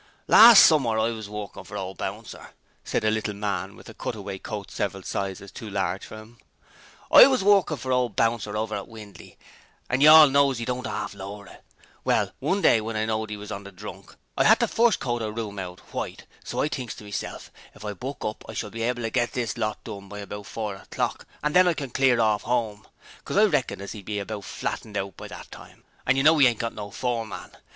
'Last summer I was workin' for ole Buncer,' said a little man with a cutaway coat several sizes too large for him. 'I was workin' for ole Buncer, over at Windley, an' you all knows as 'e don't arf lower it. Well, one day, when I knowed 'e was on the drunk, I 'ad to first coat a room out white; so thinks I to meself, "If I buck up I shall be able to get this lot done by about four o'clock, an' then I can clear orf 'ome. 'Cos I reckoned as 'e'd be about flattened out by that time, an' you know 'e ain't got no foreman.